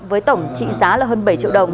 với tổng trị giá là hơn bảy triệu đồng